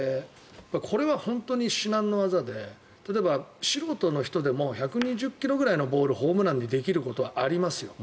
これは本当に至難の業で例えば、素人の人でも１２０ｋｍぐらいのボールをホームランにできることはありますよ。